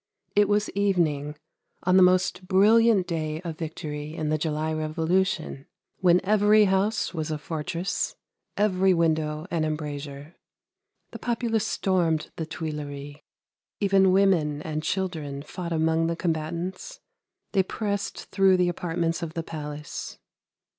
It was evening, on the most brilliant day of victory in the July revolution, when every WHAT THE MOON SAW 235 house was a fortress, every window an embrasure. The populace stormed the Tuileries, even women and children fought among the combatants; they pressed through the apartments of the palace.